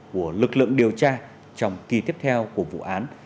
của lực lượng điều tra trong kỳ tiếp theo của vụ án